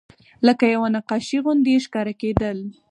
لکه یوه نقاشي غوندې ښکاره کېدل.